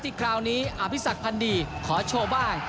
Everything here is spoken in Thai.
คราวนี้อภิษักพันธ์ดีขอโชว์บ้าง